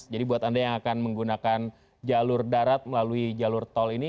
jadi buat anda yang akan menggunakan jalur darat melalui jalur tol ini